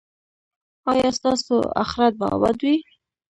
ایا ستاسو اخرت به اباد وي؟